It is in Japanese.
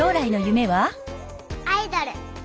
「アイドル」！